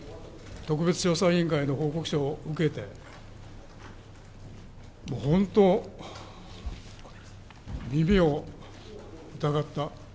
特別調査委員会の報告書を受けて、もう本当、耳を疑った。